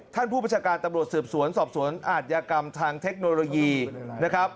ผู้ประชาการตำรวจสืบสวนสอบสวนอาทยากรรมทางเทคโนโลยีนะครับ